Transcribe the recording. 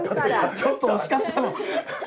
ちょっと惜しかった。